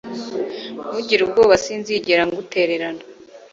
Ntugire ubwoba Sinzigera ngutererana